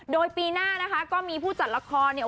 โดยปีหน้านะคะก็มีผู้จัดละครเนี่ย